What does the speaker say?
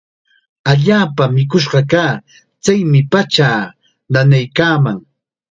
Allaapam mikush kaa. Chaymi pachaa nanaykaaman.